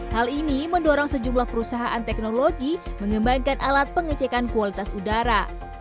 hal ini mendorong sejumlah perusahaan teknologi mengembangkan alat pengecekan kualitas udara